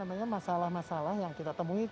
ada sedikit sekali masalah masalah yang kita temuin